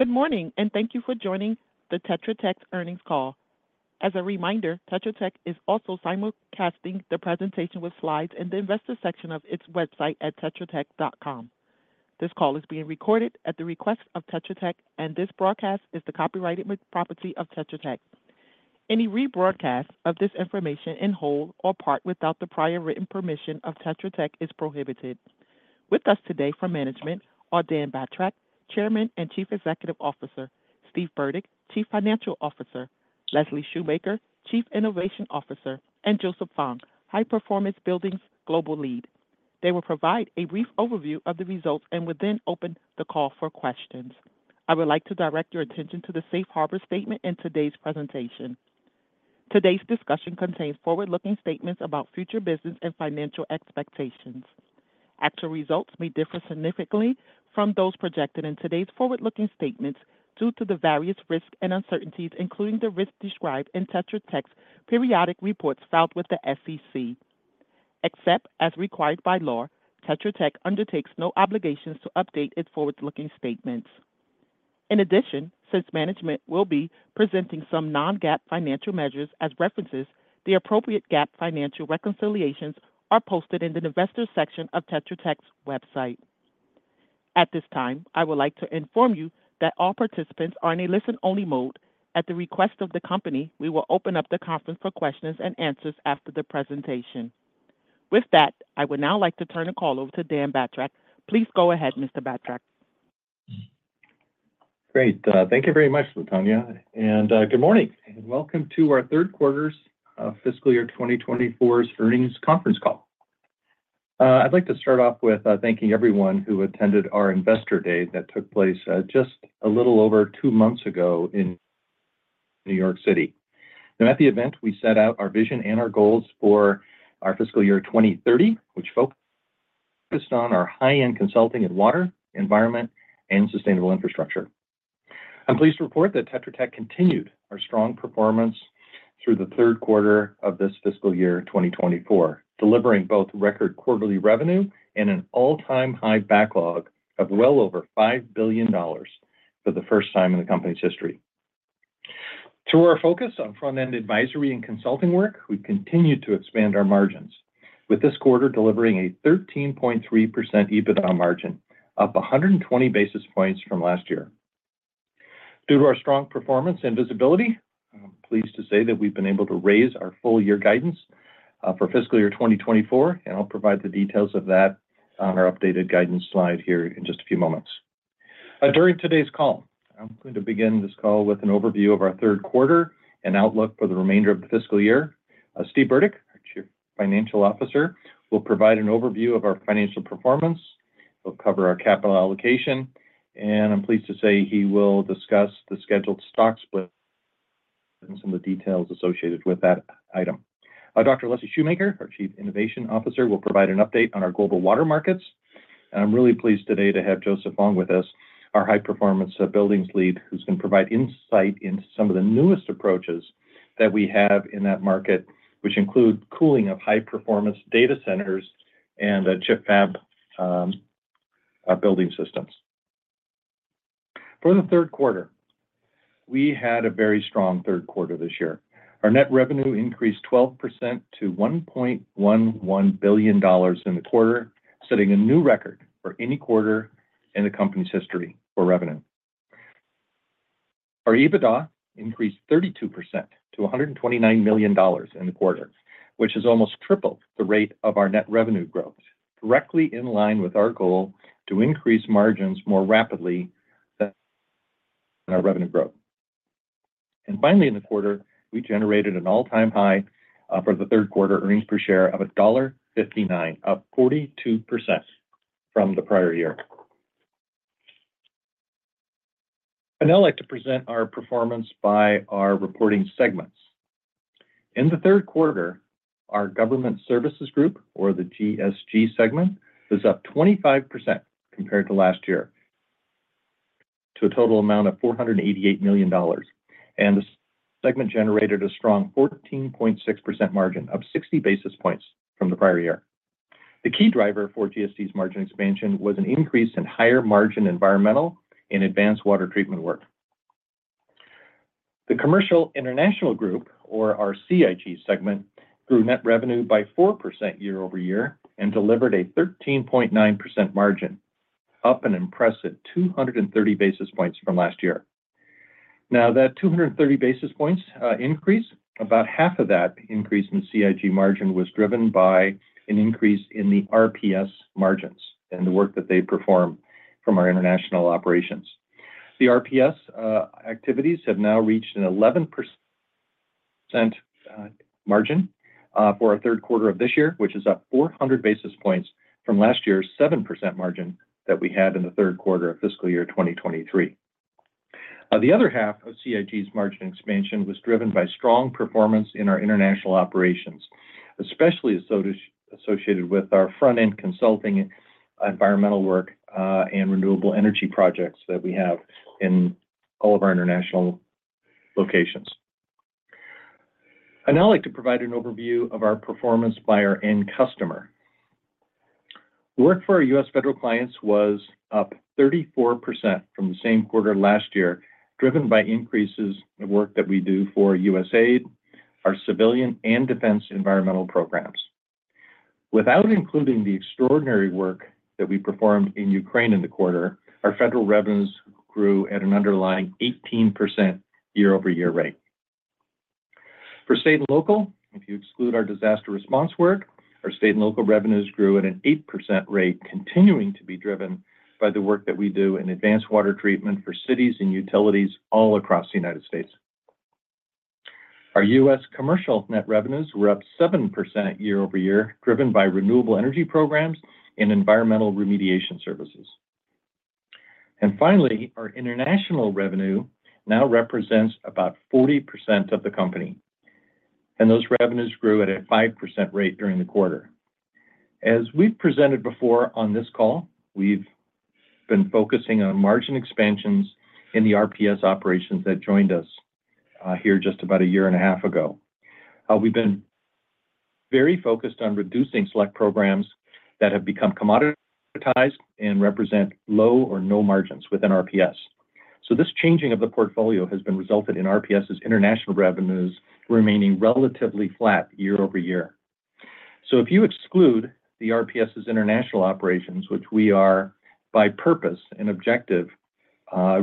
Good morning, and thank you for joining the Tetra Tech earnings call. As a reminder, Tetra Tech is also simulcasting the presentation with slides and the investor section of its website at tetratech.com. This call is being recorded at the request of Tetra Tech, and this broadcast is the copyrighted property of Tetra Tech. Any rebroadcast of this information in whole or part without the prior written permission of Tetra Tech is prohibited. With us today from management are Dan Batrack, Chairman and Chief Executive Officer, Steve Burdick, Chief Financial Officer, Leslie Shoemaker, Chief Innovation Officer, and Joseph Fong, High Performance Buildings Global Lead. They will provide a brief overview of the results and will then open the call for questions. I would like to direct your attention to the Safe Harbor statement in today's presentation. Today's discussion contains forward-looking statements about future business and financial expectations. Actual results may differ significantly from those projected in today's forward-looking statements due to the various risks and uncertainties, including the risks described in Tetra Tech's periodic reports filed with the SEC. Except as required by law, Tetra Tech undertakes no obligations to update its forward-looking statements. In addition, since management will be presenting some non-GAAP financial measures as references, the appropriate GAAP financial reconciliations are posted in the investor section of Tetra Tech's website. At this time, I would like to inform you that all participants are in a listen-only mode. At the request of the company, we will open up the conference for questions and answers after the presentation. With that, I would now like to turn the call over to Dan Batrack. Please go ahead, Mr. Batrack. Great. Thank you very much, LaTonya. And good morning, and welcome to our third quarter's fiscal year 2024's earnings conference call. I'd like to start off with thanking everyone who attended our Investor Day that took place just a little over two months ago in New York City. Now, at the event, we set out our vision and our goals for our fiscal year 2030, which focused on our high-end consulting in water, environment, and sustainable infrastructure. I'm pleased to report that Tetra Tech continued our strong performance through the third quarter of this fiscal year 2024, delivering both record quarterly revenue and an all-time high backlog of well over $5 billion for the first time in the company's history. Through our focus on front-end advisory and consulting work, we've continued to expand our margins, with this quarter delivering a 13.3% EBITDA margin, up 120 basis points from last year. Due to our strong performance and visibility, I'm pleased to say that we've been able to raise our full-year guidance for fiscal year 2024, and I'll provide the details of that on our updated guidance slide here in just a few moments. During today's call, I'm going to begin this call with an overview of our third quarter and outlook for the remainder of the fiscal year. Steve Burdick, our Chief Financial Officer, will provide an overview of our financial performance. He'll cover our capital allocation, and I'm pleased to say he will discuss the scheduled stock split and some of the details associated with that item. Dr. Leslie Shoemaker, our Chief Innovation Officer, will provide an update on our global water markets. I'm really pleased today to have Joseph Fong with us, our High Performance Buildings Lead, who's going to provide insight into some of the newest approaches that we have in that market, which include cooling of high-performance data centers and chip fab building systems. For the third quarter, we had a very strong third quarter this year. Our net revenue increased 12% to $1.11 billion in the quarter, setting a new record for any quarter in the company's history for revenue. Our EBITDA increased 32% to $129 million in the quarter, which is almost triple the rate of our net revenue growth, directly in line with our goal to increase margins more rapidly than our revenue growth. Finally, in the quarter, we generated an all-time high for the third quarter earnings per share of $1.59, up 42% from the prior year. And now I'd like to present our performance by our reporting segments. In the third quarter, our Government Services Group, or the GSG segment, was up 25% compared to last year, to a total amount of $488 million. The segment generated a strong 14.6% margin, up 60 basis points from the prior year. The key driver for GSG's margin expansion was an increase in higher-margin environmental and advanced water treatment work. The Commercial International Group, or our CIG segment, grew net revenue by 4% year over year and delivered a 13.9% margin, up an impressive 230 basis points from last year. Now, that 230 basis points increase, about half of that increase in the CIG margin was driven by an increase in the RPS margins and the work that they perform from our international operations. The RPS activities have now reached an 11% margin for our third quarter of this year, which is up 400 basis points from last year's 7% margin that we had in the third quarter of fiscal year 2023. The other half of CIG's margin expansion was driven by strong performance in our international operations, especially associated with our front-end consulting, environmental work, and renewable energy projects that we have in all of our international locations. Now I'd like to provide an overview of our performance by our end customer. Work for our U.S. federal clients was up 34% from the same quarter last year, driven by increases in work that we do for USAID, our civilian and defense environmental programs. Without including the extraordinary work that we performed in Ukraine in the quarter, our federal revenues grew at an underlying 18% year-over-year rate. For state and local, if you exclude our disaster response work, our state and local revenues grew at an 8% rate, continuing to be driven by the work that we do in advanced water treatment for cities and utilities all across the United States. Our U.S. commercial net revenues were up 7% year-over-year, driven by renewable energy programs and environmental remediation services. And finally, our international revenue now represents about 40% of the company. And those revenues grew at a 5% rate during the quarter. As we've presented before on this call, we've been focusing on margin expansions in the RPS operations that joined us here just about a year and a half ago. We've been very focused on reducing select programs that have become commoditized and represent low or no margins within RPS. So this changing of the portfolio has resulted in RPS's international revenues remaining relatively flat year-over-year. So if you exclude the RPS's international operations, which we are by purpose and objective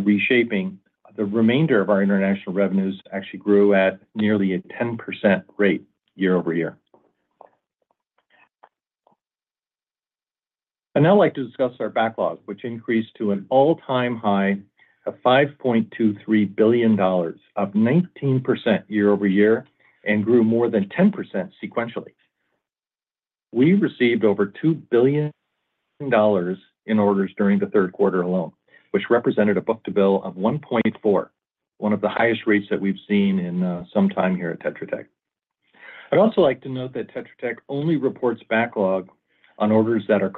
reshaping, the remainder of our international revenues actually grew at nearly 10% year-over-year. And now I'd like to discuss our backlog, which increased to an all-time high of $5.23 billion, up 19% year-over-year, and grew more than 10% sequentially. We received over $2 billion in orders during the third quarter alone, which represented a book-to-bill of 1.4, one of the highest rates that we've seen in some time here at Tetra Tech. I'd also like to note that Tetra Tech only reports backlog on orders that are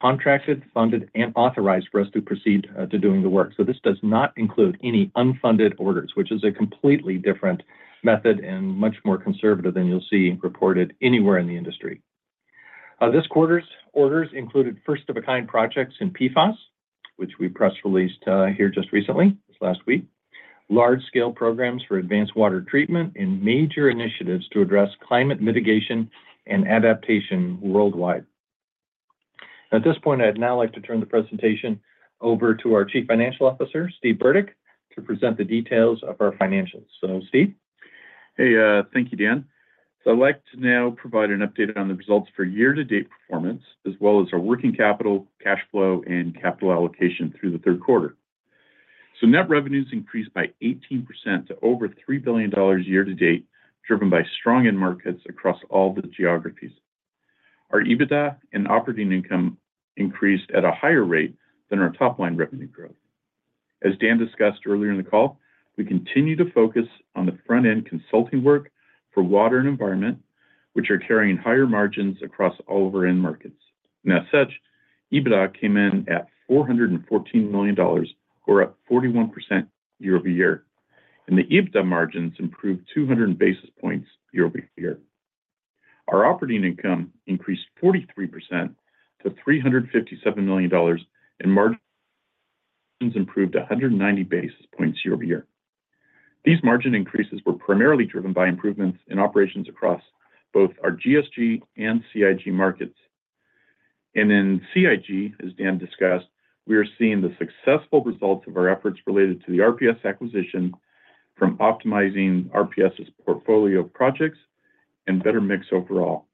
contracted, funded, and authorized for us to proceed to doing the work. So this does not include any unfunded orders, which is a completely different method and much more conservative than you'll see reported anywhere in the industry. This quarter's orders included first-of-a-kind projects in PFAS, which we press released here just recently, this last week, large-scale programs for advanced water treatment, and major initiatives to address climate mitigation and adaptation worldwide. At this point, I'd now like to turn the presentation over to our Chief Financial Officer, Steve Burdick, to present the details of our financials. So, Steve. Hey, thank you, Dan. So I'd like to now provide an update on the results for year-to-date performance, as well as our working capital cash flow and capital allocation through the third quarter. So net revenues increased by 18% to over $3 billion year-to-date, driven by strong-end markets across all the geographies. Our EBITDA and operating income increased at a higher rate than our top-line revenue growth. As Dan discussed earlier in the call, we continue to focus on the front-end consulting work for water and environment, which are carrying higher margins across all of our end markets. And as such, EBITDA came in at $414 million, or up 41% year-over-year. And the EBITDA margins improved 200 basis points year-over-year. Our operating income increased 43% to $357 million, and margins improved 190 basis points year-over-year. These margin increases were primarily driven by improvements in operations across both our GSG and CIG markets. In CIG, as Dan discussed, we are seeing the successful results of our efforts related to the RPS acquisition, from optimizing RPS's portfolio projects and better mix overall.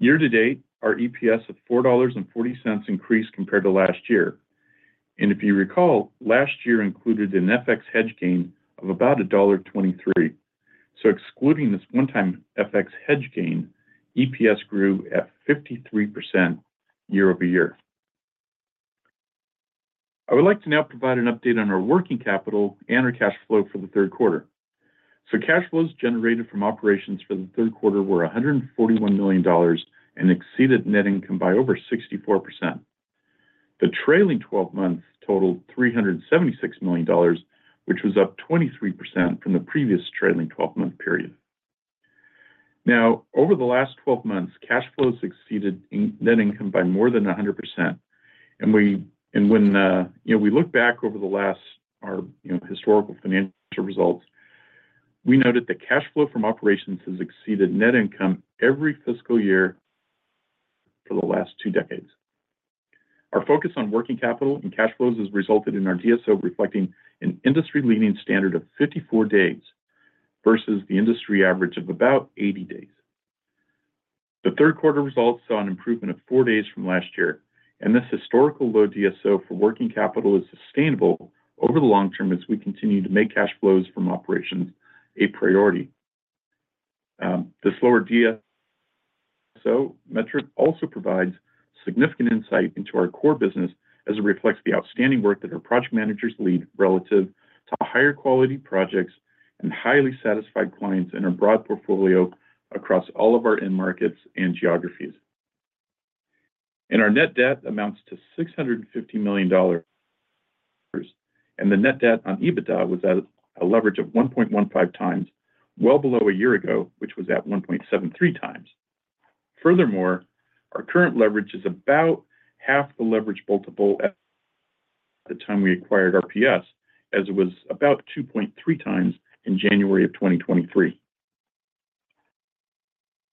Year-to-date, our EPS of $4.40 increased compared to last year. If you recall, last year included an FX hedge gain of about $1.23. Excluding this one-time FX hedge gain, EPS grew at 53% year-over-year. I would like to now provide an update on our working capital and our cash flow for the third quarter. Cash flows generated from operations for the third quarter were $141 million and exceeded net income by over 64%. The trailing 12 months totaled $376 million, which was up 23% from the previous trailing 12-month period. Now, over the last 12 months, cash flows exceeded net income by more than 100%. When we look back over the last historical financial results, we noted that cash flow from operations has exceeded net income every fiscal year for the last two decades. Our focus on working capital and cash flows has resulted in our DSO reflecting an industry-leading standard of 54 days versus the industry average of about 80 days. The third quarter results saw an improvement of four days from last year. This historical low DSO for working capital is sustainable over the long term as we continue to make cash flows from operations a priority. This lower DSO metric also provides significant insight into our core business as it reflects the outstanding work that our project managers lead relative to higher-quality projects and highly satisfied clients in our broad portfolio across all of our end markets and geographies. Our net debt amounts to $650 million. The net debt on EBITDA was at a leverage of 1.15x, well below a year ago, which was at 1.73x. Furthermore, our current leverage is about half the leverage multiple at the time we acquired RPS, as it was about 2.3x in January of 2023.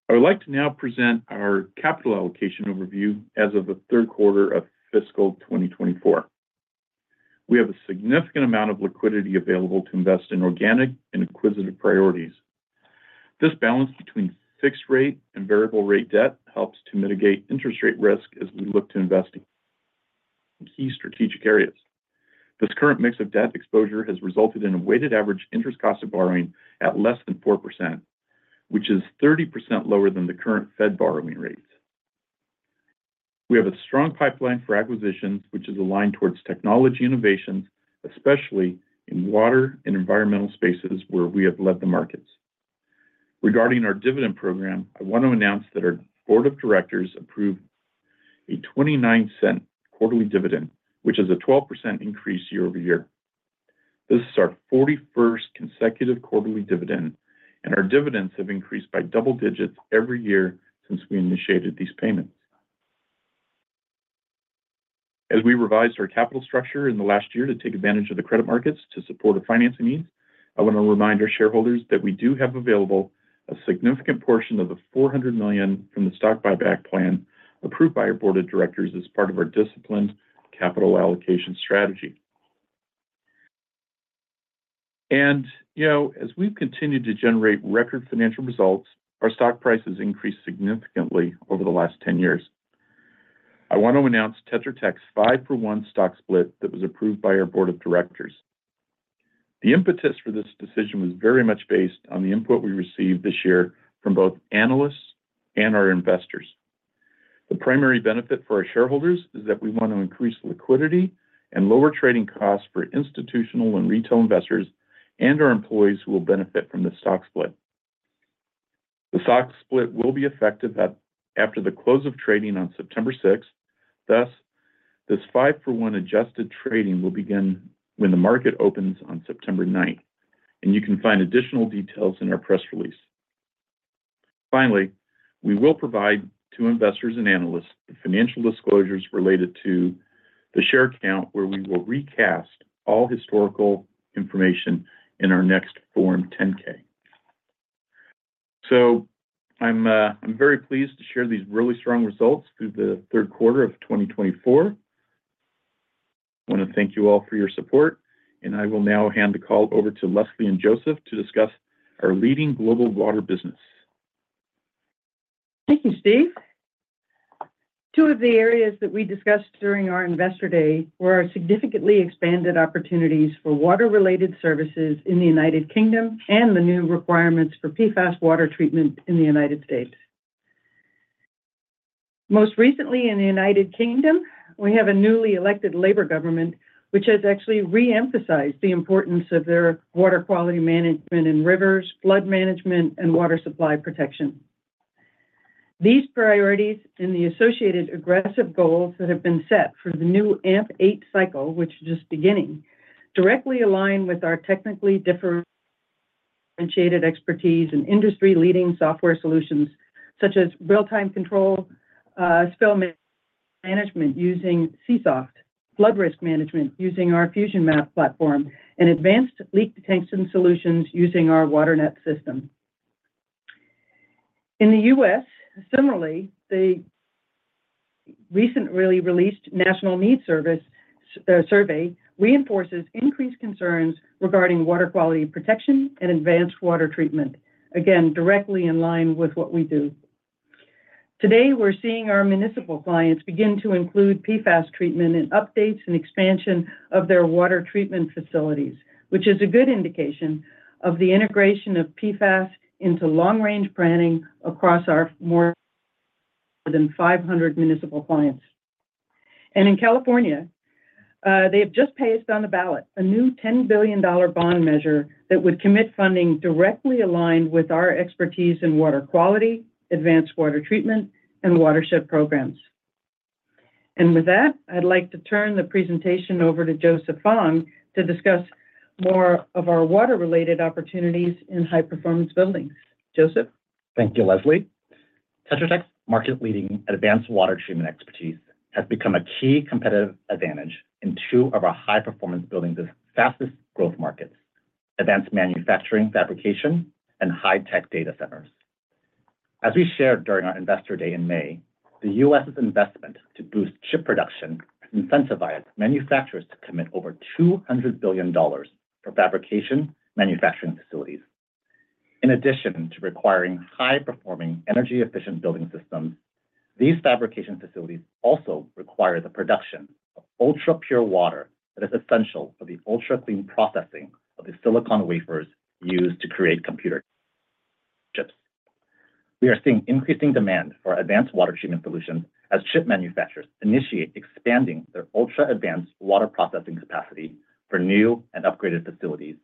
I would like to now present our capital allocation overview as of the third quarter of fiscal 2024. We have a significant amount of liquidity available to invest in organic and acquisitive priorities. This balance between fixed-rate and variable-rate debt helps to mitigate interest rate risk as we look to invest in key strategic areas. This current mix of debt exposure has resulted in a weighted average interest cost of borrowing at less than 4%, which is 30% lower than the current Fed borrowing rates. We have a strong pipeline for acquisitions, which is aligned towards technology innovations, especially in water and environmental spaces where we have led the markets. Regarding our dividend program, I want to announce that our board of directors approved a $0.29 quarterly dividend, which is a 12% increase year-over-year. This is our 41st consecutive quarterly dividend, and our dividends have increased by double digits every year since we initiated these payments. As we revised our capital structure in the last year to take advantage of the credit markets to support our financing needs, I want to remind our shareholders that we do have available a significant portion of the $400 million from the stock buyback plan approved by our board of directors as part of our disciplined capital allocation strategy. As we've continued to generate record financial results, our stock prices increased significantly over the last 10 years. I want to announce Tetra Tech's 5-for-1 stock split that was approved by our board of directors. The impetus for this decision was very much based on the input we received this year from both analysts and our investors. The primary benefit for our shareholders is that we want to increase liquidity and lower trading costs for institutional and retail investors and our employees who will benefit from the stock split. The stock split will be effective after the close of trading on September 6th. Thus, this 5-for-1 adjusted trading will begin when the market opens on September 9th. And you can find additional details in our press release. Finally, we will provide to investors and analysts the financial disclosures related to the share count, where we will recast all historical information in our next Form 10-K. So I'm very pleased to share these really strong results through the third quarter of 2024. I want to thank you all for your support. And I will now hand the call over to Leslie and Joseph to discuss our leading global water business. Thank you, Steve. Two of the areas that we discussed during our investor day were our significantly expanded opportunities for water-related services in the United Kingdom and the new requirements for PFAS water treatment in the United States. Most recently, in the United Kingdom, we have a newly elected Labour government, which has actually reemphasized the importance of their water quality management in rivers, flood management, and water supply protection. These priorities and the associated aggressive goals that have been set for the new AMP8 cycle, which is just beginning, directly align with our technically differentiated expertise in industry-leading software solutions, such as real-time control spill management using Csoft, flood risk management using our FusionMap platform, and advanced leak detection solutions using our WaterNet system. In the U.S., similarly, the recently released national need survey reinforces increased concerns regarding water quality protection and advanced water treatment, again, directly in line with what we do. Today, we're seeing our municipal clients begin to include PFAS treatment and updates and expansion of their water treatment facilities, which is a good indication of the integration of PFAS into long-range planning across our more than 500 municipal clients. In California, they have just placed on the ballot a new $10 billion bond measure that would commit funding directly aligned with our expertise in water quality, advanced water treatment, and watershed programs. With that, I'd like to turn the presentation over to Joseph Fong to discuss more of our water-related opportunities in high-performance buildings. Joseph. Thank you, Leslie. Tetra Tech's market-leading advanced water treatment expertise has become a key competitive advantage in two of our high-performance buildings' fastest growth markets: advanced manufacturing fabrication and high-tech data centers. As we shared during our investor day in May, the U.S.'s investment to boost chip production has incentivized manufacturers to commit over $200 billion for fabrication manufacturing facilities. In addition to requiring high-performing, energy-efficient building systems, these fabrication facilities also require the production of ultra-pure water that is essential for the ultra-clean processing of the silicon wafers used to create computer chips. We are seeing increasing demand for advanced water treatment solutions as chip manufacturers initiate expanding their ultra-advanced water processing capacity for new and upgraded facilities,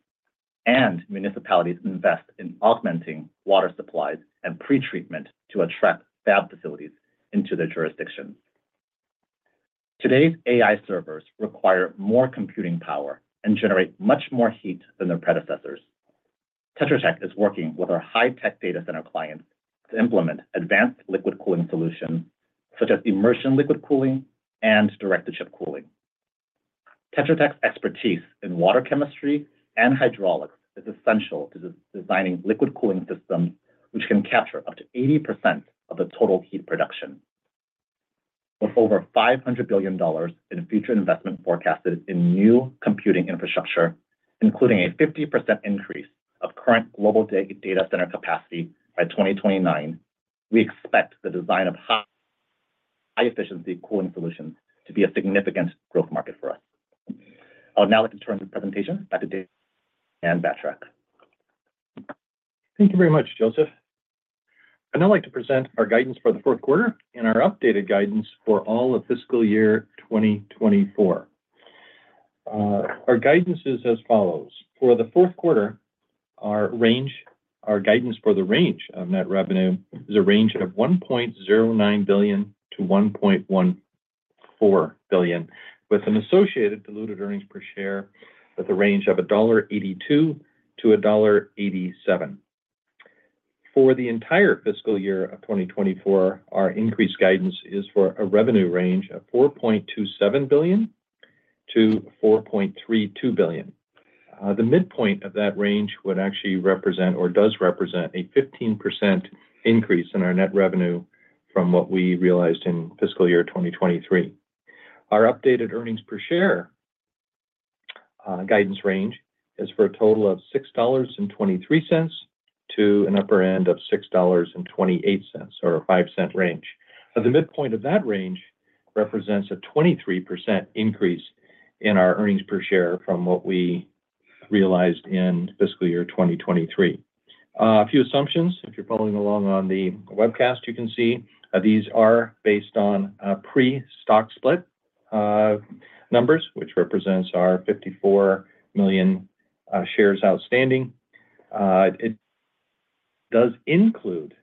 and municipalities invest in augmenting water supplies and pretreatment to attract fab facilities into their jurisdictions. Today's AI servers require more computing power and generate much more heat than their predecessors. Tetra Tech is working with our high-tech data center clients to implement advanced liquid cooling solutions, such as immersion liquid cooling and direct-to-chip cooling. Tetra Tech's expertise in water chemistry and hydraulics is essential to designing liquid cooling systems, which can capture up to 80% of the total heat production. With over $500 billion in future investment forecasted in new computing infrastructure, including a 50% increase of current global data center capacity by 2029, we expect the design of high-efficiency cooling solutions to be a significant growth market for us. I would now like to turn the presentation back to Dan Batrack. Thank you very much, Joseph. I'd now like to present our guidance for the fourth quarter and our updated guidance for all of fiscal year 2024. Our guidance is as follows. For the fourth quarter, our guidance for the range of net revenue is a range of $1.09-$1.14 billion, with an associated diluted earnings per share at the range of $1.82-$1.87. For the entire fiscal year of 2024, our increased guidance is for a revenue range of $4.27 billion-$4.32 billion. The midpoint of that range would actually represent, or does represent, a 15% increase in our net revenue from what we realized in fiscal year 2023. Our updated earnings per share guidance range is for a total of $6.23-$6.28, or a $0.05 range. The midpoint of that range represents a 23% increase in our earnings per share from what we realized in fiscal year 2023. A few assumptions. If you're following along on the webcast, you can see these are based on pre-stock split numbers, which represents our 54 million shares outstanding. It does include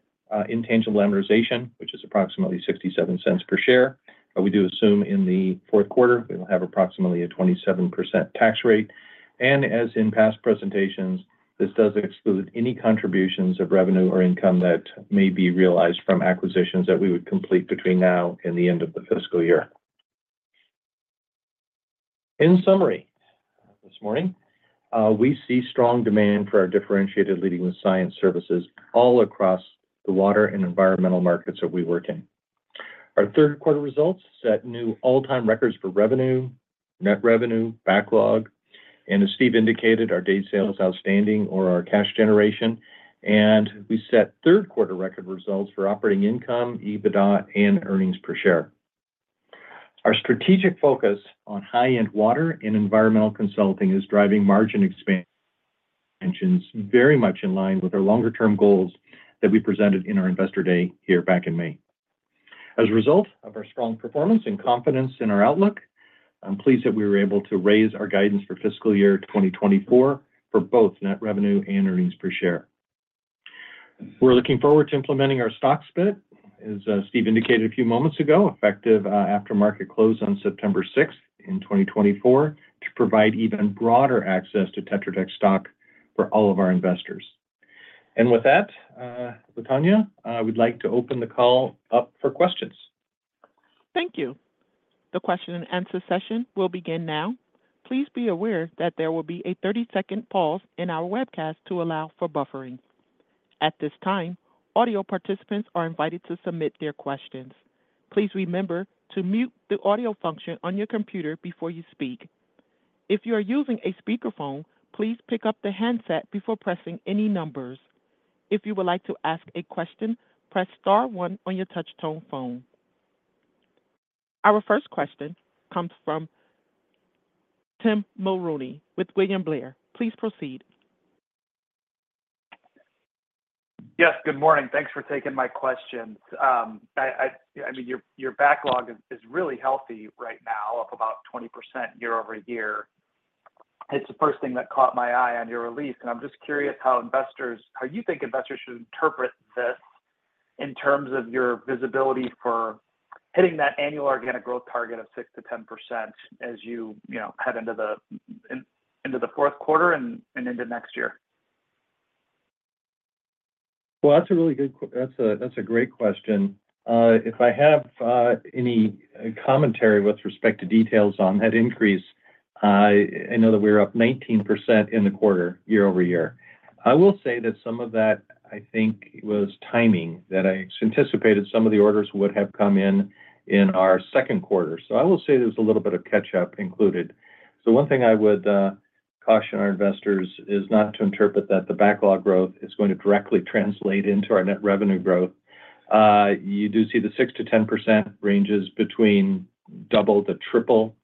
intangible amortization, which is approximately $0.67 per share. We do assume in the fourth quarter we will have approximately a 27% tax rate. As in past presentations, this does exclude any contributions of revenue or income that may be realized from acquisitions that we would complete between now and the end of the fiscal year. In summary, this morning, we see strong demand for our differentiated leading science services all across the water and environmental markets that we work in. Our third quarter results set new all-time records for revenue, net revenue, backlog. And as Steve indicated, our days sales outstanding, or our cash generation. We set third quarter record results for operating income, EBITDA, and earnings per share. Our strategic focus on high-end water and environmental consulting is driving margin expansions very much in line with our longer-term goals that we presented in our investor day here back in May. As a result of our strong performance and confidence in our outlook, I'm pleased that we were able to raise our guidance for fiscal year 2024 for both net revenue and earnings per share. We're looking forward to implementing our stock split, as Steve indicated a few moments ago, effective after market close on September 6th in 2024, to provide even broader access to Tetra Tech stock for all of our investors. And with that, LaTonya, we'd like to open the call up for questions. Thank you. The question-and-answer session will begin now. Please be aware that there will be a 30-second pause in our webcast to allow for buffering. At this time, audio participants are invited to submit their questions. Please remember to mute the audio function on your computer before you speak. If you are using a speakerphone, please pick up the handset before pressing any numbers. If you would like to ask a question, press star one on your touch-tone phone. Our first question comes from Tim Mulrooney with William Blair. Please proceed. Yes, good morning. Thanks for taking my question. I mean, your backlog is really healthy right now, up about 20% year-over-year. It's the first thing that caught my eye on your release. I'm just curious how you think investors should interpret this in terms of your visibility for hitting that annual organic growth target of 6%-10% as you head into the fourth quarter and into next year. Well, that's a really good—that's a great question. If I have any commentary with respect to details on that increase, I know that we were up 19% in the quarter year-over-year. I will say that some of that, I think, was timing that I anticipated some of the orders would have come in in our second quarter. So I will say there's a little bit of catch-up included. So one thing I would caution our investors is not to interpret that the backlog growth is going to directly translate into our net revenue growth. You do see the 6%-10% ranges between double to triple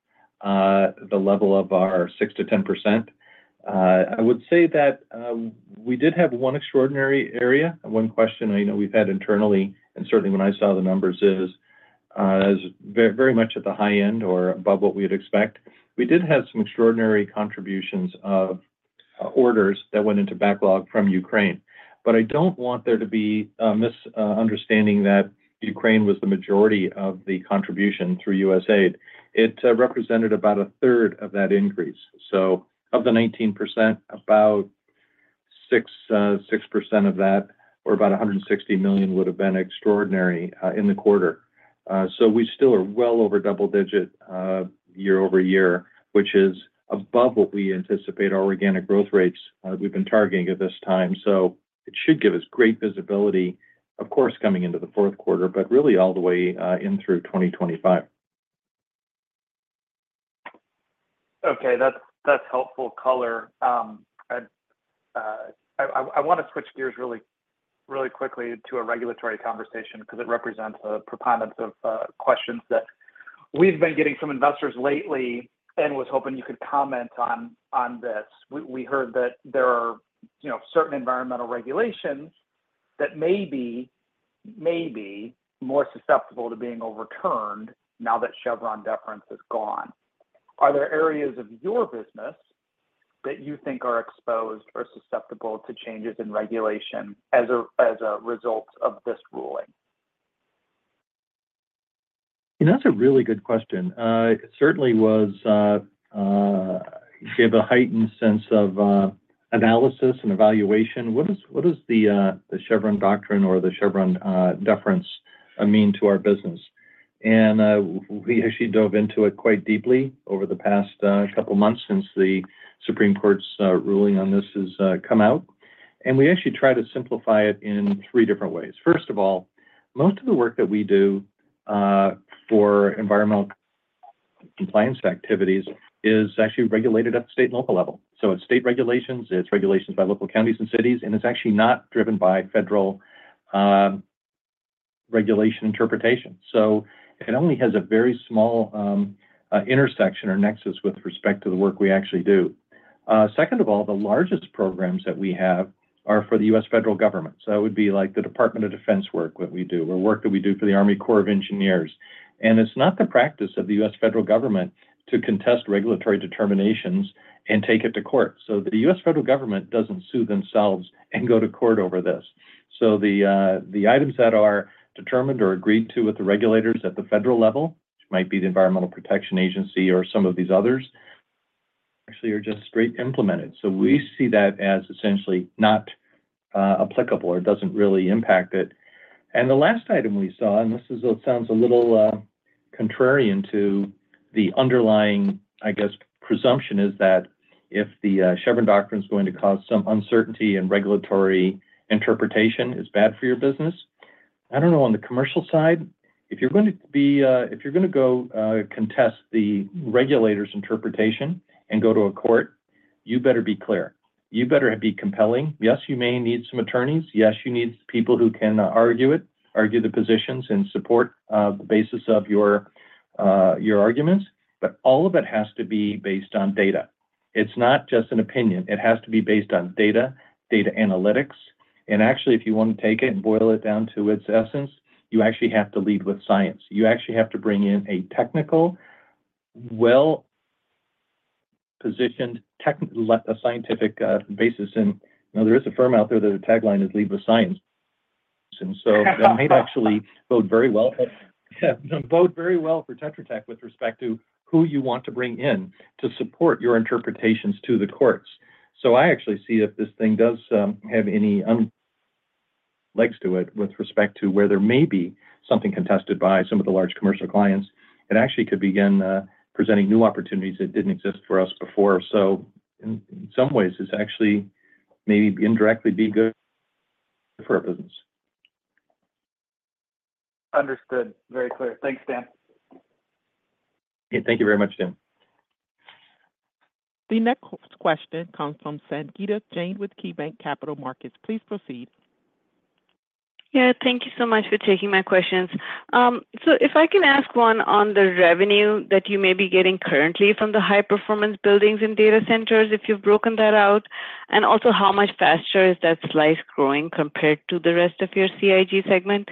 the level of our 6%-10%. I would say that we did have one extraordinary area. One question I know we've had internally, and certainly when I saw the numbers, is very much at the high end or above what we would expect. We did have some extraordinary contributions of orders that went into backlog from Ukraine. But I don't want there to be a misunderstanding that Ukraine was the majority of the contribution through USAID. It represented about a third of that increase. So of the 19%, about 6% of that, or about $160 million, would have been extraordinary in the quarter. So we still are well over double-digit year-over-year, which is above what we anticipate our organic growth rates we've been targeting at this time. So it should give us great visibility, of course, coming into the fourth quarter, but really all the way in through 2025. Okay. That's helpful color. I want to switch gears really quickly to a regulatory conversation because it represents a preponderance of questions that we've been getting from investors lately and was hoping you could comment on this. We heard that there are certain environmental regulations that may be more susceptible to being overturned now that Chevron deference is gone. Are there areas of your business that you think are exposed or susceptible to changes in regulation as a result of this ruling? That's a really good question. It certainly gave a heightened sense of analysis and evaluation. What does the Chevron doctrine or the Chevron deference mean to our business? We actually dove into it quite deeply over the past couple of months since the Supreme Court's ruling on this has come out. We actually try to simplify it in three different ways. First of all, most of the work that we do for environmental compliance activities is actually regulated at the state and local level. It's state regulations, it's regulations by local counties and cities, and it's actually not driven by federal regulation interpretation. It only has a very small intersection or nexus with respect to the work we actually do. Second of all, the largest programs that we have are for the U.S. federal government. So it would be like the Department of Defense work that we do, or work that we do for the U.S. Army Corps of Engineers. And it's not the practice of the U.S. federal government to contest regulatory determinations and take it to court. So the U.S. federal government doesn't sue themselves and go to court over this. So the items that are determined or agreed to with the regulators at the federal level, which might be the Environmental Protection Agency or some of these others, actually are just straight implemented. So we see that as essentially not applicable or doesn't really impact it. And the last item we saw, and this sounds a little contrarian to the underlying, I guess, presumption, is that if the Chevron doctrine is going to cause some uncertainty and regulatory interpretation, it's bad for your business. I don't know on the commercial side. If you're going to go contest the regulator's interpretation and go to a court, you better be clear. You better be compelling. Yes, you may need some attorneys. Yes, you need people who can argue it, argue the positions and support the basis of your arguments. But all of it has to be based on data. It's not just an opinion. It has to be based on data, data analytics. And actually, if you want to take it and boil it down to its essence, you actually have to lead with science. You actually have to bring in a technical, well-positioned, scientific basis. And there is a firm out there that the tagline is "Lead with science." And so that might actually bode very well for Tetra Tech with respect to who you want to bring in to support your interpretations to the courts. I actually see if this thing does have any legs to it with respect to where there may be something contested by some of the large commercial clients. It actually could begin presenting new opportunities that didn't exist for us before. In some ways, it's actually maybe indirectly be good for our business. Understood. Very clear. Thanks, Dan. Thank you very much, Tim. The next question comes from Sangita Jain with KeyBanc Capital Markets. Please proceed. Yeah. Thank you so much for taking my questions. So if I can ask one on the revenue that you may be getting currently from the high-performance buildings and data centers, if you've broken that out, and also how much faster is that slice growing compared to the rest of your CIG segment?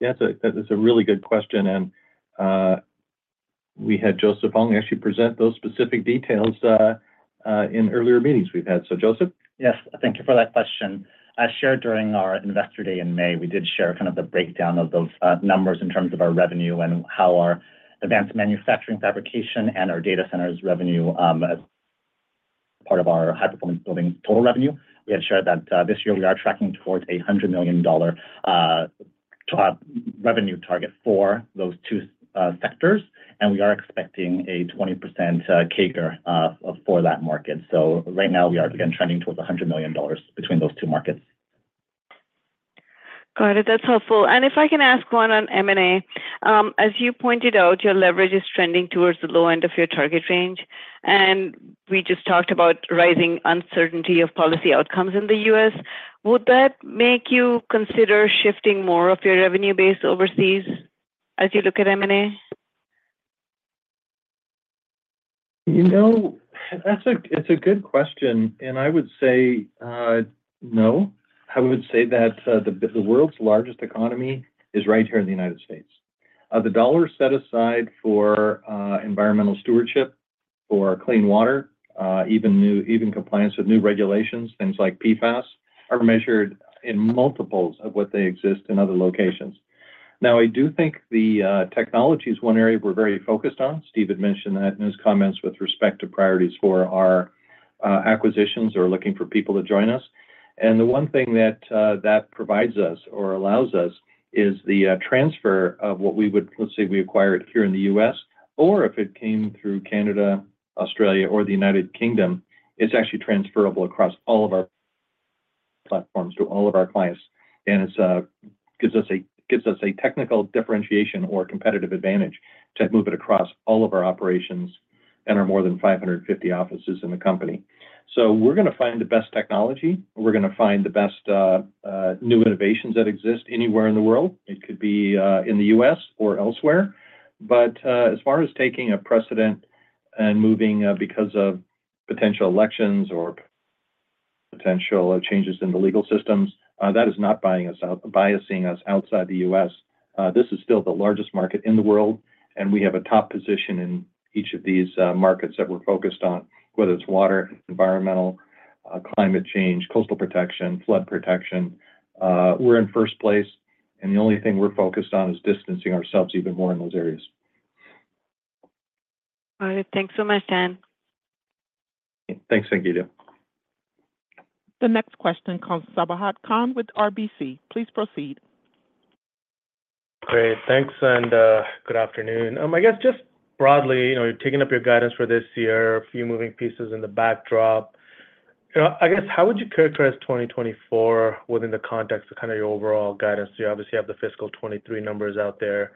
Yeah, that's a really good question. And we had Joseph Fong actually present those specific details in earlier meetings we've had. So, Joseph? Yes. Thank you for that question. As shared during our investor day in May, we did share kind of the breakdown of those numbers in terms of our revenue and how our advanced manufacturing fabrication and our data centers revenue as part of our high-performance building total revenue. We had shared that this year we are tracking towards a $100 million revenue target for those two sectors. And we are expecting a 20% CAGR for that market. So right now, we are again trending towards $100 million between those two markets. Got it. That's helpful. And if I can ask one on M&A. As you pointed out, your leverage is trending towards the low end of your target range. And we just talked about rising uncertainty of policy outcomes in the U.S. Would that make you consider shifting more of your revenue base overseas as you look at M&A? That's a good question. I would say no. I would say that the world's largest economy is right here in the United States. The dollar set aside for environmental stewardship, for clean water, even compliance with new regulations, things like PFAS, are measured in multiples of what they exist in other locations. Now, I do think the technology is one area we're very focused on. Steve had mentioned that in his comments with respect to priorities for our acquisitions or looking for people to join us. The one thing that that provides us or allows us is the transfer of what we would, let's say, we acquired here in the U.S., or if it came through Canada, Australia, or the United Kingdom, it's actually transferable across all of our platforms to all of our clients. It gives us a technical differentiation or competitive advantage to move it across all of our operations and our more than 550 offices in the company. So we're going to find the best technology. We're going to find the best new innovations that exist anywhere in the world. It could be in the U.S. or elsewhere. But as far as taking a precedent and moving because of potential elections or potential changes in the legal systems, that is not biasing us outside the U.S. This is still the largest market in the world. And we have a top position in each of these markets that we're focused on, whether it's water, environmental, climate change, coastal protection, flood protection. We're in first place. And the only thing we're focused on is distancing ourselves even more in those areas. Got it. Thanks so much, Dan. Thanks, Sangita. The next question comes from Sabahat Khan with RBC. Please proceed. Great. Thanks. And good afternoon. I guess just broadly, taking up your guidance for this year, a few moving pieces in the backdrop. I guess, how would you characterize 2024 within the context of kind of your overall guidance? You obviously have the fiscal 2023 numbers out there.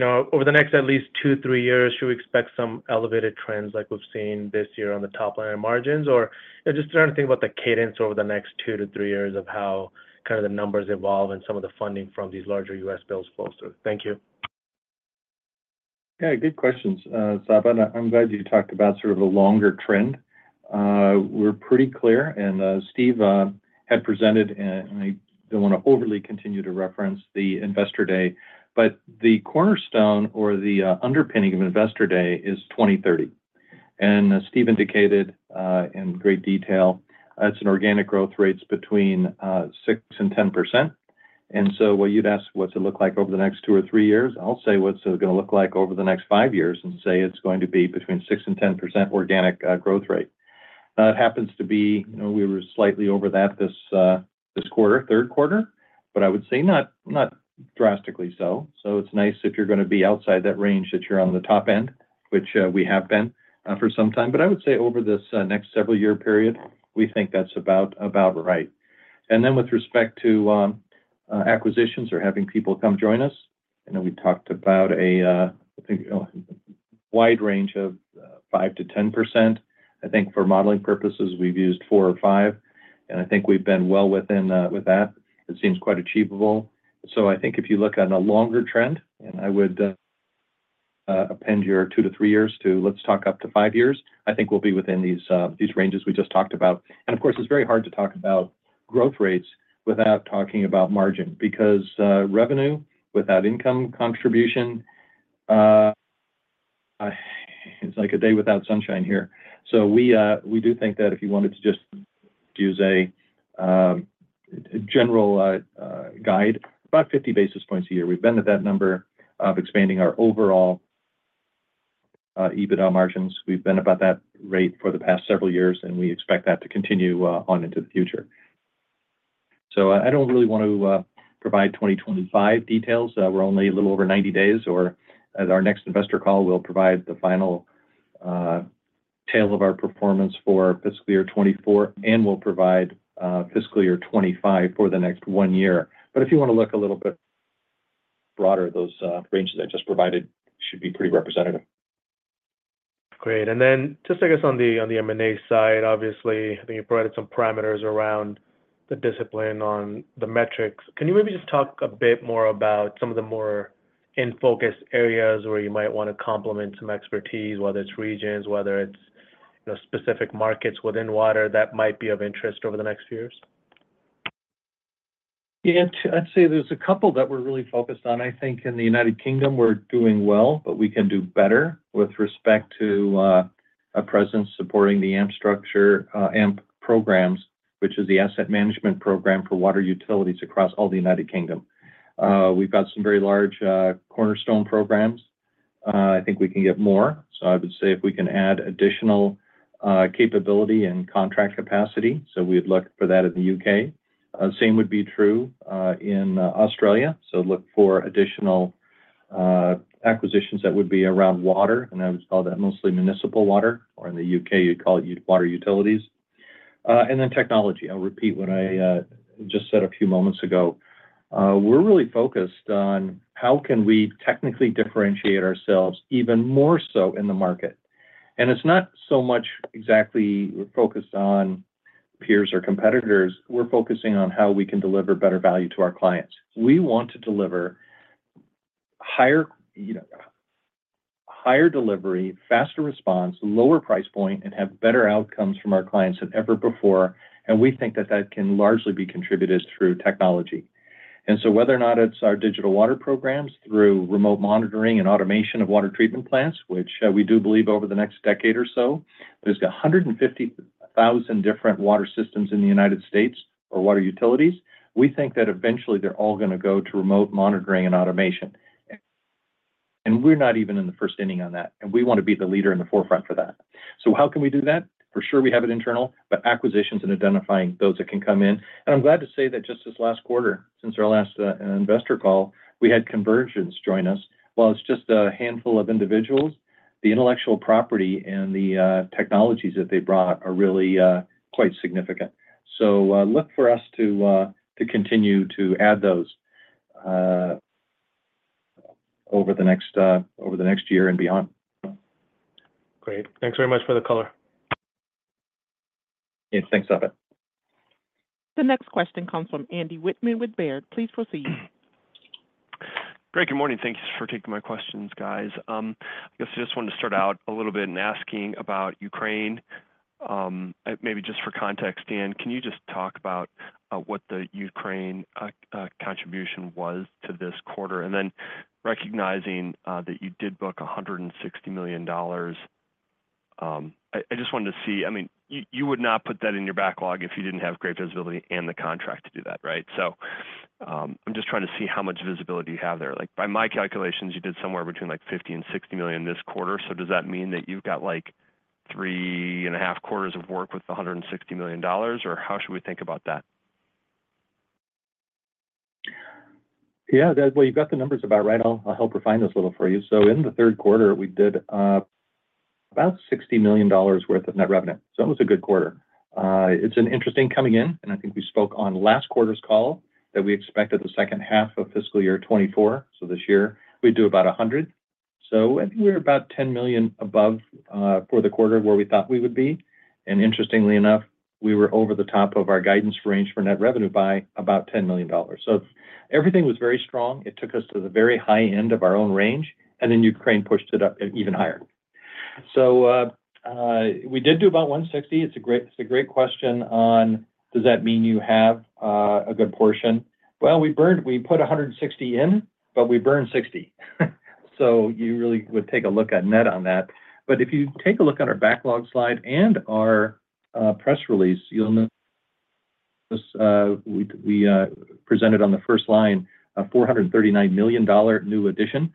Over the next at least two, three years, should we expect some elevated trends like we've seen this year on the top line of margins? Or just trying to think about the cadence over the next two to three years of how kind of the numbers evolve and some of the funding from these larger U.S. bills flow through. Thank you. Yeah, good questions. Sabah, I'm glad you talked about sort of a longer trend. We're pretty clear. And Steve had presented, and I don't want to overly continue to reference the Investor Day. But the cornerstone or the underpinning of Investor Day is 2030. And Steve indicated in great detail, it's an organic growth rate between 6%-10%. And so what you'd ask, what's it look like over the next two or three years? I'll say what's it going to look like over the next five years and say it's going to be between 6%-10% organic growth rate. That happens to be we were slightly over that this quarter, third quarter, but I would say not drastically so. So it's nice if you're going to be outside that range that you're on the top end, which we have been for some time. But I would say over this next several-year period, we think that's about right. And then with respect to acquisitions or having people come join us, I know we talked about a wide range of 5%-10%. I think for modeling purposes, we've used 4 or 5. And I think we've been well within with that. It seems quite achievable. So I think if you look at a longer trend, and I would append your 2-3 years to let's talk up to 5 years, I think we'll be within these ranges we just talked about. And of course, it's very hard to talk about growth rates without talking about margin because revenue without income contribution, it's like a day without sunshine here. So we do think that if you wanted to just use a general guide, about 50 basis points a year, we've been at that number of expanding our overall EBITDA margins. We've been about that rate for the past several years, and we expect that to continue on into the future. So I don't really want to provide 2025 details. We're only a little over 90 days, or at our next investor call, we'll provide the final tally of our performance for fiscal year 2024, and we'll provide fiscal year 2025 for the next one year. But if you want to look a little bit broader, those ranges I just provided should be pretty representative. Great. And then just, I guess, on the M&A side, obviously, I think you provided some parameters around the discipline on the metrics. Can you maybe just talk a bit more about some of the more in-focus areas where you might want to complement some expertise, whether it's regions, whether it's specific markets within water that might be of interest over the next few years? Yeah. I'd say there's a couple that we're really focused on. I think in the United Kingdom, we're doing well, but we can do better with respect to a presence supporting the AMP structure, AMP programs, which is the asset management program for water utilities across all the United Kingdom. We've got some very large cornerstone programs. I think we can get more. So I would say if we can add additional capability and contract capacity, so we'd look for that in the UK. Same would be true in Australia. So look for additional acquisitions that would be around water. And I would call that mostly municipal water, or in the UK, you'd call it water utilities. And then technology. I'll repeat what I just said a few moments ago. We're really focused on how can we technically differentiate ourselves even more so in the market. It's not so much exactly focused on peers or competitors. We're focusing on how we can deliver better value to our clients. We want to deliver higher delivery, faster response, lower price point, and have better outcomes from our clients than ever before. We think that that can largely be contributed through technology. Whether or not it's our digital water programs through remote monitoring and automation of water treatment plants, which we do believe over the next decade or so, there's 150,000 different water systems in the United States or water utilities. We think that eventually they're all going to go to remote monitoring and automation. We're not even in the first inning on that. We want to be the leader in the forefront for that. How can we do that? For sure, we have it internal, but acquisitions and identifying those that can come in. I'm glad to say that just this last quarter, since our last investor call, we had Convergence join us. While it's just a handful of individuals, the intellectual property and the technologies that they brought are really quite significant. Look for us to continue to add those over the next year and beyond. Great. Thanks very much for the color. Yeah. Thanks, Sabahat. The next question comes from Andy Whitman with Baird. Please proceed. Great. Good morning. Thank you for taking my questions, guys. I guess I just wanted to start out a little bit and asking about Ukraine. Maybe just for context, Dan, can you just talk about what the Ukraine contribution was to this quarter? And then recognizing that you did book $160 million, I just wanted to see I mean, you would not put that in your backlog if you didn't have great visibility and the contract to do that, right? So I'm just trying to see how much visibility you have there. By my calculations, you did somewhere between $50 million and $60 million this quarter. So does that mean that you've got three and a half quarters of work with $160 million? Or how should we think about that? Yeah. Well, you've got the numbers about right. I'll help refine this a little for you. So in the third quarter, we did about $60 million worth of net revenue. So it was a good quarter. It's an interesting coming in. And I think we spoke on last quarter's call that we expected the second half of fiscal year 2024. So this year, we'd do about $100 million. So I think we were about $10 million above for the quarter where we thought we would be. And interestingly enough, we were over the top of our guidance range for net revenue by about $10 million. So everything was very strong. It took us to the very high end of our own range. And then Ukraine pushed it up even higher. So we did do about $160 million. It's a great question on, does that mean you have a good portion? Well, we put $160 million in, but we burned $60 million. So you really would take a look at net on that. But if you take a look at our backlog slide and our press release, you'll know we presented on the first line a $439 million new addition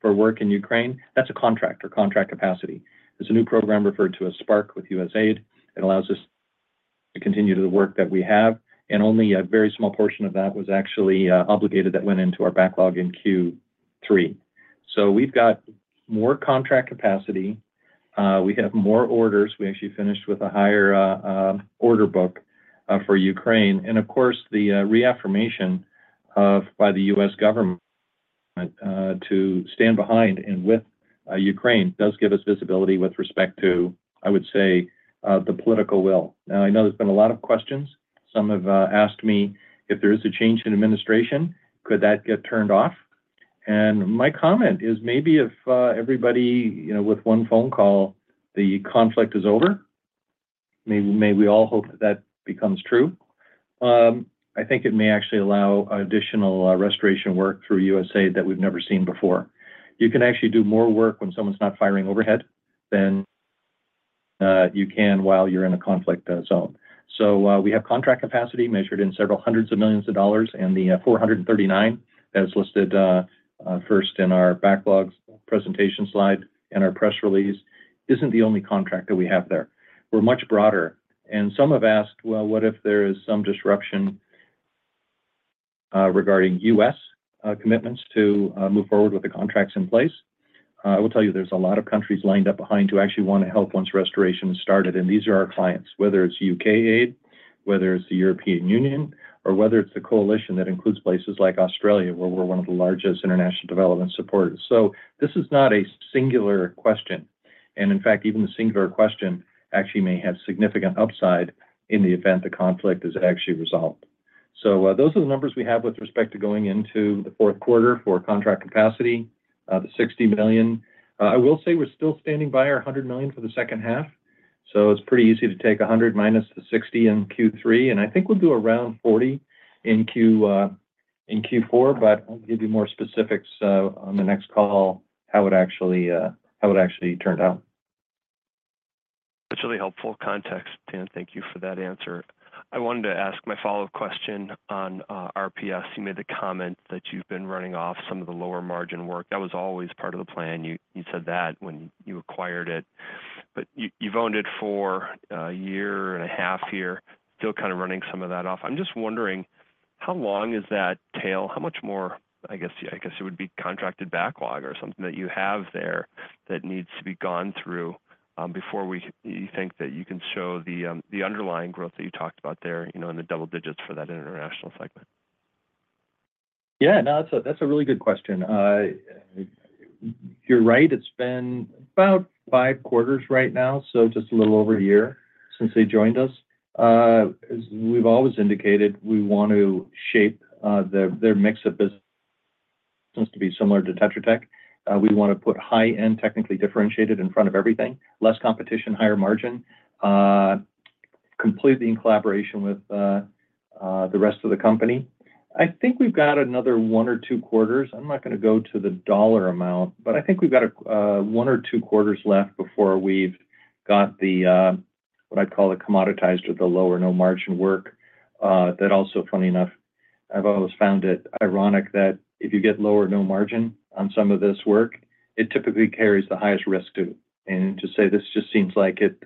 for work in Ukraine. That's a contract or contract capacity. It's a new program referred to as SPARC with USAID. It allows us to continue to the work that we have. And only a very small portion of that was actually obligated that went into our backlog in Q3. So we've got more contract capacity. We have more orders. We actually finished with a higher order book for Ukraine. And of course, the reaffirmation by the U.S. government to stand behind and with Ukraine does give us visibility with respect to, I would say, the political will. Now, I know there's been a lot of questions. Some have asked me if there is a change in administration, could that get turned off? And my comment is maybe if everybody with one phone call, the conflict is over, may we all hope that becomes true. I think it may actually allow additional restoration work through USAID that we've never seen before. You can actually do more work when someone's not firing overhead than you can while you're in a conflict zone. So we have contract capacity measured in $several hundred million. And the $439 million that is listed first in our backlog presentation slide and our press release isn't the only contract that we have there. We're much broader. And some have asked, well, what if there is some disruption regarding U.S. commitments to move forward with the contracts in place? I will tell you, there's a lot of countries lined up behind who actually want to help once restoration is started. And these are our clients, whether it's UK aid, whether it's the European Union, or whether it's the coalition that includes places like Australia, where we're one of the largest international development supporters. So this is not a singular question. And in fact, even the singular question actually may have significant upside in the event the conflict is actually resolved. So those are the numbers we have with respect to going into the fourth quarter for contract capacity, the $60 million. I will say we're still standing by our $100 million for the second half. So it's pretty easy to take 100 minus the 60 in Q3. I think we'll do around 40 in Q4, but I'll give you more specifics on the next call, how it actually turned out. That's really helpful context, Dan. Thank you for that answer. I wanted to ask my follow-up question on RPS. You made the comment that you've been running off some of the lower margin work. That was always part of the plan. You said that when you acquired it. But you've owned it for a year and a half here, still kind of running some of that off. I'm just wondering, how long is that tail? How much more, I guess, it would be contracted backlog or something that you have there that needs to be gone through before you think that you can show the underlying growth that you talked about there in the double digits for that international segment? Yeah. No, that's a really good question. You're right. It's been about five quarters right now, so just a little over a year since they joined us. As we've always indicated, we want to shape their mix of business to be similar to Tetra Tech. We want to put high-end technically differentiated in front of everything, less competition, higher margin, completely in collaboration with the rest of the company. I think we've got another one or two quarters. I'm not going to go to the dollar amount, but I think we've got one or two quarters left before we've got what I'd call the commoditized or the lower no margin work. That also, funny enough, I've always found it ironic that if you get lower no margin on some of this work, it typically carries the highest risk too. And to say this just seems like it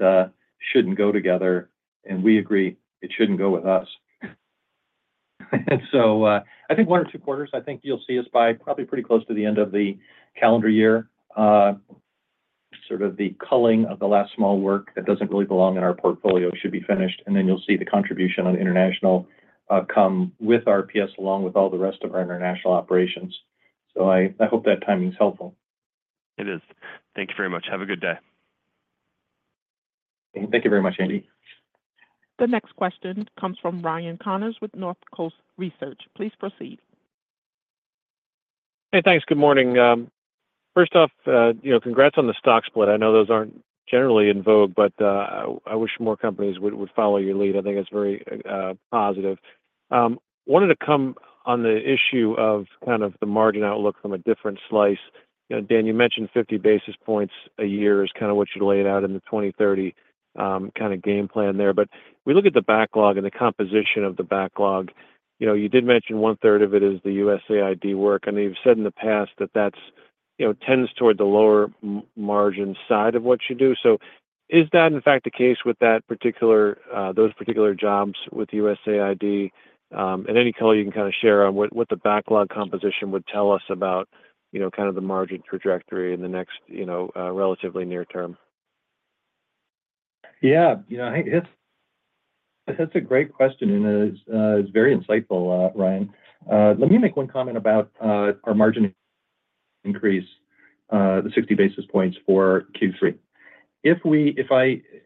shouldn't go together. We agree it shouldn't go with us. So I think one or two quarters, I think you'll see us by probably pretty close to the end of the calendar year, sort of the culling of the last small work that doesn't really belong in our portfolio should be finished. Then you'll see the contribution on international come with RPS along with all the rest of our international operations. I hope that timing is helpful. It is. Thank you very much. Have a good day. Thank you very much, Andy. The next question comes from Ryan Connors with Northcoast Research. Please proceed. Hey, thanks. Good morning. First off, congrats on the stock split. I know those aren't generally in vogue, but I wish more companies would follow your lead. I think it's very positive. Wanted to come on the issue of kind of the margin outlook from a different slice. Dan, you mentioned 50 basis points a year is kind of what you laid out in the 2030 kind of game plan there. But we look at the backlog and the composition of the backlog. You did mention one-third of it is the USAID work. And you've said in the past that that tends toward the lower margin side of what you do. So is that, in fact, the case with those particular jobs with USAID? Any color you can kind of share on what the backlog composition would tell us about kind of the margin trajectory in the next relatively near term? Yeah. That's a great question. And it's very insightful, Ryan. Let me make one comment about our margin increase, the 60 basis points for Q3.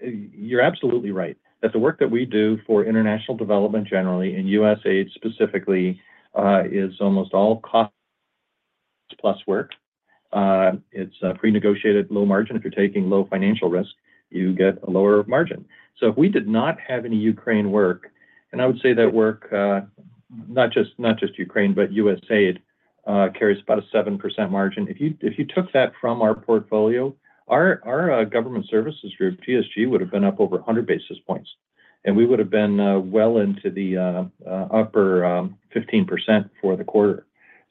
You're absolutely right. That the work that we do for international development generally and USAID specifically is almost all cost plus work. It's pre-negotiated low margin. If you're taking low financial risk, you get a lower margin. So if we did not have any Ukraine work, and I would say that work, not just Ukraine, but USAID carries about a 7% margin. If you took that from our portfolio, our Government Services Group, GSG, would have been up over 100 basis points. And we would have been well into the upper 15% for the quarter.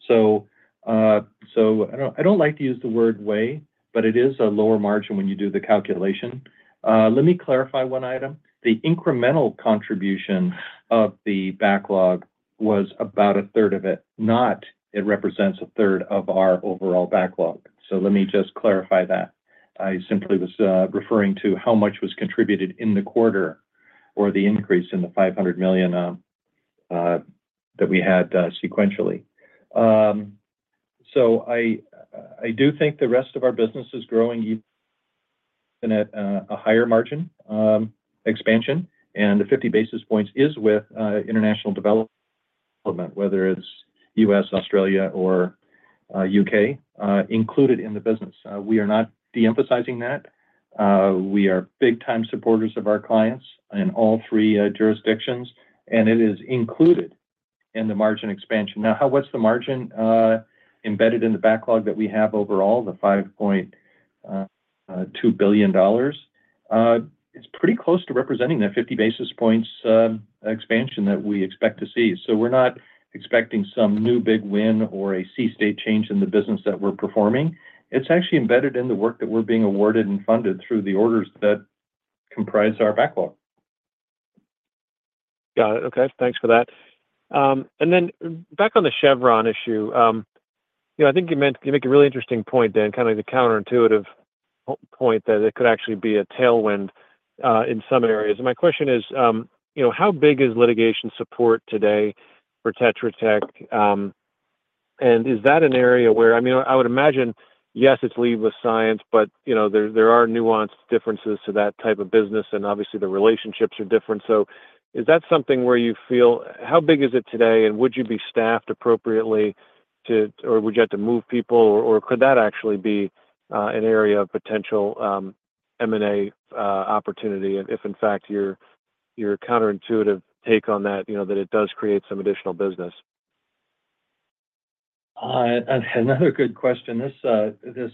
So I don't like to use the word way, but it is a lower margin when you do the calculation. Let me clarify one item. The incremental contribution of the backlog was about a third of it. No, it represents a third of our overall backlog. So let me just clarify that. I simply was referring to how much was contributed in the quarter or the increase in the $500 million that we had sequentially. So I do think the rest of our business is growing at a higher margin expansion. And the 50 basis points is with international development, whether it's U.S., Australia, or U.K. included in the business. We are not de-emphasizing that. We are big-time supporters of our clients in all three jurisdictions. And it is included in the margin expansion. Now, what's the margin embedded in the backlog that we have overall, the $5.2 billion? It's pretty close to representing the 50 basis points expansion that we expect to see. We're not expecting some new big win or a sea change in the business that we're performing. It's actually embedded in the work that we're being awarded and funded through the orders that comprise our backlog. Got it. Okay. Thanks for that. And then back on the Chevron issue, I think you make a really interesting point, Dan, kind of like the counterintuitive point that it could actually be a tailwind in some areas. And my question is, how big is litigation support today for Tetra Tech? And is that an area where I mean, I would imagine, yes, it's lead with science, but there are nuanced differences to that type of business. And obviously, the relationships are different. So is that something where you feel how big is it today? And would you be staffed appropriately? Or would you have to move people? Or could that actually be an area of potential M&A opportunity if, in fact, your counterintuitive take on that, that it does create some additional business? Another good question. This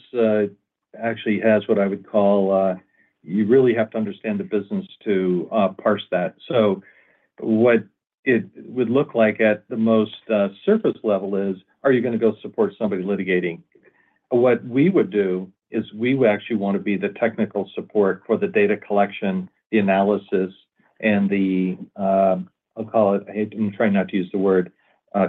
actually has what I would call you really have to understand the business to parse that. So what it would look like at the most surface level is, are you going to go support somebody litigating? What we would do is we would actually want to be the technical support for the data collection, the analysis, and the, I'll call it, I'm trying not to use the word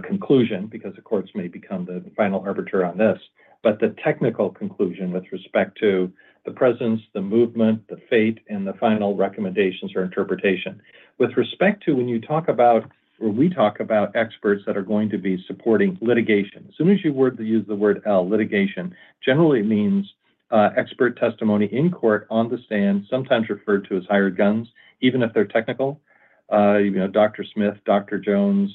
conclusion because the courts may become the final arbiter on this, but the technical conclusion with respect to the presence, the movement, the fate, and the final recommendations or interpretation. With respect to when you talk about, or we talk about experts that are going to be supporting litigation. As soon as you use the word litigation, generally it means expert testimony in court on the stand, sometimes referred to as hired guns, even if they're technical, Dr. Smith, Dr. Jones.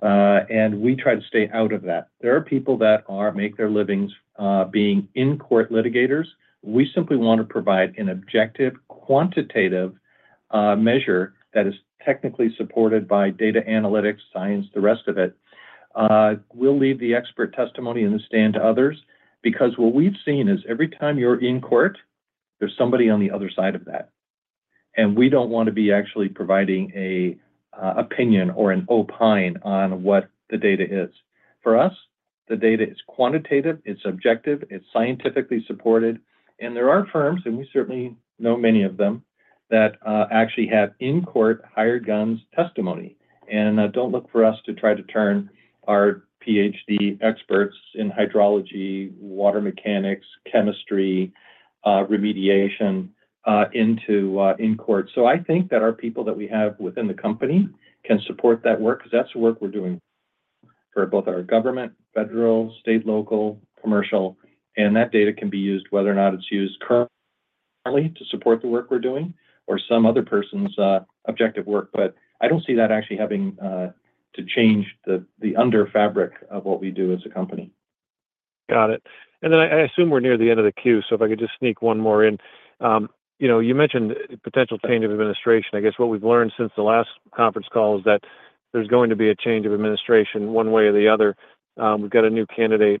We try to stay out of that. There are people that make their livings being in court litigators. We simply want to provide an objective quantitative measure that is technically supported by data analytics, science, the rest of it. We'll leave the expert testimony in the stand to others because what we've seen is every time you're in court, there's somebody on the other side of that. We don't want to be actually providing an opinion or an opine on what the data is. For us, the data is quantitative. It's objective. It's scientifically supported. There are firms, and we certainly know many of them, that actually have in court hired guns testimony. Don't look for us to try to turn our PhD experts in hydrology, water mechanics, chemistry, remediation into in court. So I think that our people that we have within the company can support that work because that's the work we're doing for both our government, federal, state, local, commercial. And that data can be used whether or not it's used currently to support the work we're doing or some other person's objective work. But I don't see that actually having to change the under fabric of what we do as a company. Got it. And then I assume we're near the end of the queue. So if I could just sneak one more in. You mentioned potential change of administration. I guess what we've learned since the last conference call is that there's going to be a change of administration one way or the other. We've got a new candidate.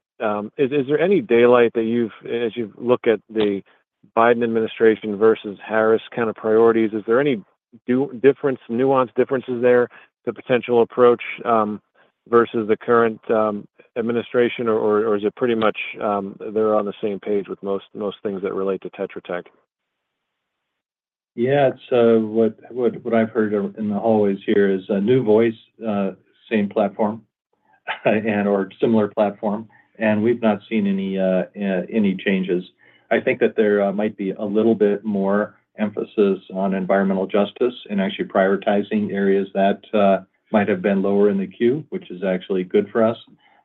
Is there any daylight that you've, as you look at the Biden administration versus Harris kind of priorities, is there any difference, nuanced differences there to potential approach versus the current administration? Or is it pretty much they're on the same page with most things that relate to Tetra Tech? Yeah. What I've heard in the hallways here is a new voice, same platform and/or similar platform. And we've not seen any changes. I think that there might be a little bit more emphasis on environmental justice and actually prioritizing areas that might have been lower in the queue, which is actually good for us.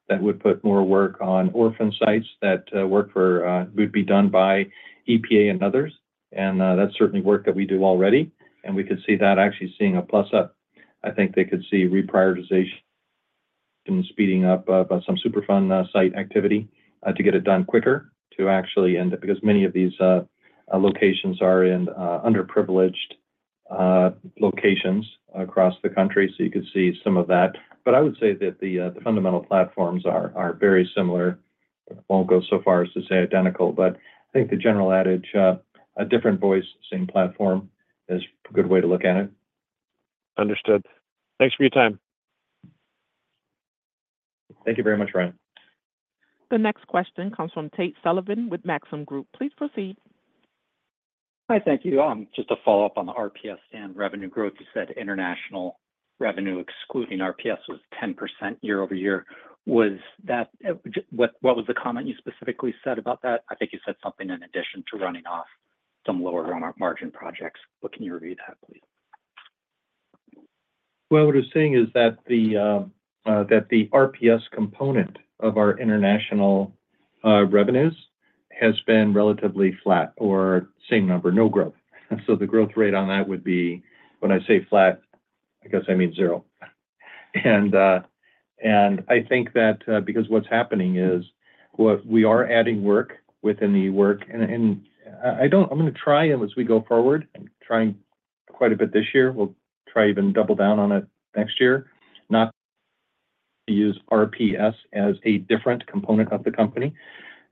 That would put more work on orphan sites that would be done by EPA and others. And that's certainly work that we do already. And we could see that actually seeing a plus up. I think they could see reprioritization and speeding up some Superfund site activity to get it done quicker to actually end up because many of these locations are in underprivileged locations across the country. So you could see some of that. But I would say that the fundamental platforms are very similar. It won't go so far as to say identical. I think the general adage, a different voice, same platform, is a good way to look at it. Understood. Thanks for your time. Thank you very much, Ryan. The next question comes from Tate Sullivan with Maxim Group. Please proceed. Hi. Thank you. Just to follow up on the RPS and revenue growth, you said international revenue excluding RPS was 10% year-over-year. What was the comment you specifically said about that? I think you said something in addition to running off some lower margin projects. But can you review that, please? Well, what I was saying is that the RPS component of our international revenues has been relatively flat or same number, no growth. So the growth rate on that would be when I say flat, I guess I mean zero. And I think that because what's happening is we are adding work within the work. And I'm going to try as we go forward and trying quite a bit this year. We'll try even double down on it next year, not to use RPS as a different component of the company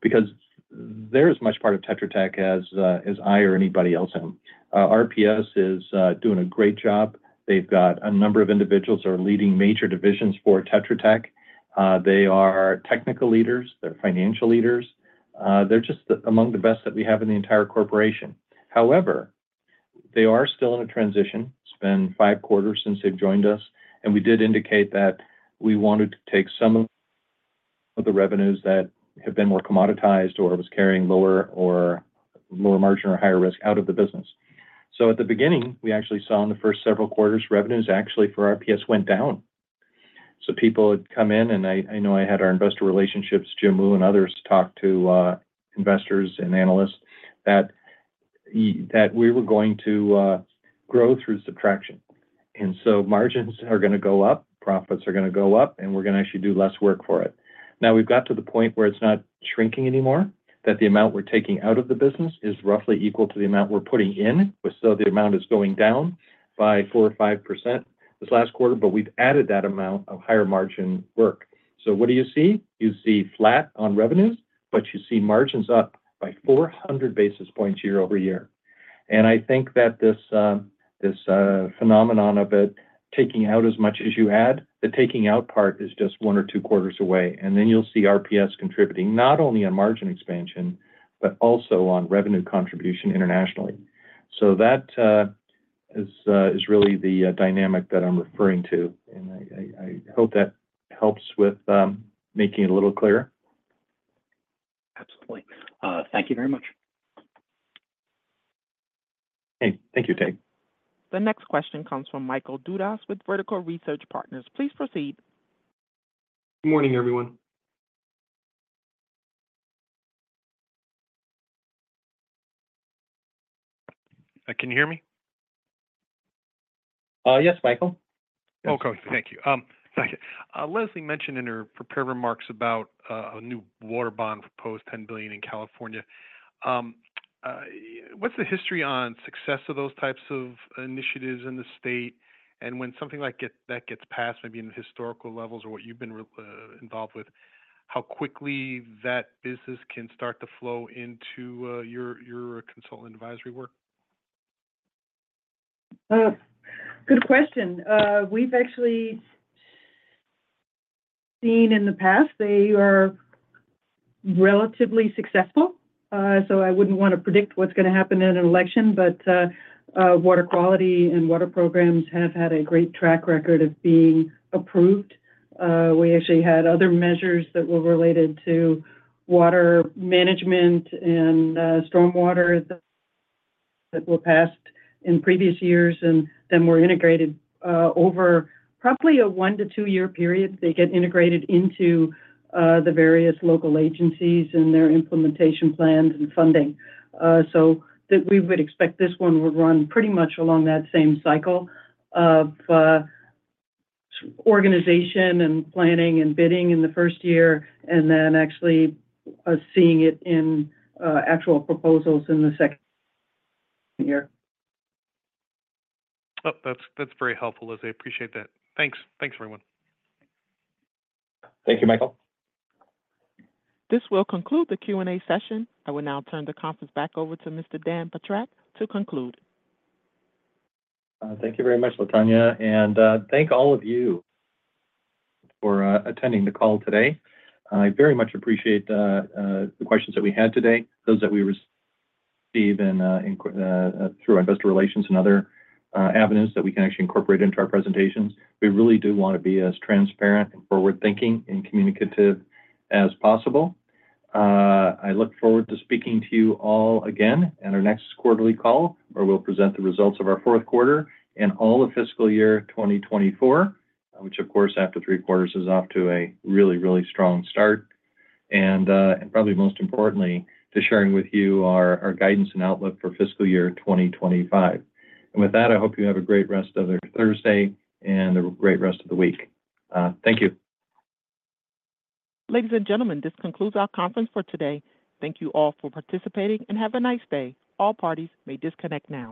because they're as much part of Tetra Tech as I or anybody else am. RPS is doing a great job. They've got a number of individuals that are leading major divisions for Tetra Tech. They are technical leaders. They're financial leaders. They're just among the best that we have in the entire corporation. However, they are still in a transition. It's been five quarters since they've joined us. And we did indicate that we wanted to take some of the revenues that have been more commoditized or was carrying lower margin or higher risk out of the business. So at the beginning, we actually saw in the first several quarters, revenues actually for RPS went down. So people had come in, and I know I had our investor relationships, Jim Wu and others, talk to investors and analysts that we were going to grow through subtraction. And so margins are going to go up, profits are going to go up, and we're going to actually do less work for it. Now, we've got to the point where it's not shrinking anymore, that the amount we're taking out of the business is roughly equal to the amount we're putting in. So the amount is going down by 4%-5% this last quarter, but we've added that amount of higher margin work. So what do you see? You see flat on revenues, but you see margins up by 400 basis points year-over-year. And I think that this phenomenon of it taking out as much as you add, the taking out part is just one or two quarters away. And then you'll see RPS contributing not only on margin expansion, but also on revenue contribution internationally. So that is really the dynamic that I'm referring to. And I hope that helps with making it a little clearer. Absolutely. Thank you very much. Hey. Thank you, Tate. The next question comes from Michael Dudas with Vertical Research Partners. Please proceed. Good morning, everyone. Can you hear me? Yes, Michael. Okay. Thank you. Leslie mentioned in her prepared remarks about a new water bond proposed $10 billion in California. What's the history on success of those types of initiatives in the state? And when something like that gets passed, maybe in historical levels or what you've been involved with, how quickly that business can start to flow into your consultant advisory work? Good question. We've actually seen in the past they are relatively successful. So I wouldn't want to predict what's going to happen in an election. But water quality and water programs have had a great track record of being approved. We actually had other measures that were related to water management and stormwater that were passed in previous years. And then we're integrated over probably a 1-2-year period. They get integrated into the various local agencies and their implementation plans and funding. So we would expect this one would run pretty much along that same cycle of organization and planning and bidding in the first year, and then actually seeing it in actual proposals in the second year. That's very helpful, Leslie. I appreciate that. Thanks. Thanks, everyone. Thank you, Michael. This will conclude the Q&A session. I will now turn the conference back over to Mr. Dan Batrack to conclude. Thank you very much, LaTonya. Thank all of you for attending the call today. I very much appreciate the questions that we had today, those that we received through investor relations and other avenues that we can actually incorporate into our presentations. We really do want to be as transparent and forward-thinking and communicative as possible. I look forward to speaking to you all again at our next quarterly call, where we'll present the results of our fourth quarter and all of fiscal year 2024, which, of course, after three quarters is off to a really, really strong start. And probably most importantly, to sharing with you our guidance and outlook for fiscal year 2025. With that, I hope you have a great rest of your Thursday and a great rest of the week. Thank you. Ladies and gentlemen, this concludes our conference for today. Thank you all for participating and have a nice day. All parties may disconnect now.